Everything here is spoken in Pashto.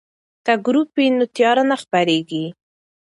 که ګروپ وي نو تیاره نه خپریږي.